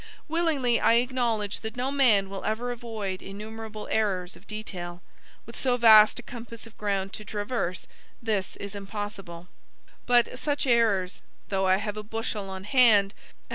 Willingly I acknowledge that no man will ever avoid innumerable errors of detail: with so vast a compass of ground to traverse, this is impossible: but such errors (though I have a bushel on hand, at M.